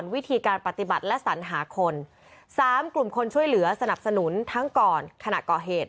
เหตุการณ์ทั้งหมดมันเชื่อมโยงกัน